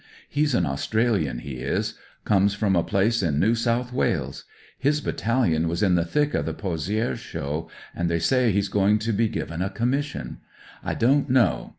He's an Australian, he is; comes from a place in New South Wales. His battalion was in the thick of the Pozieres show, and tiiey say he's goin' to be ^iv er ^ Commission. I don't know.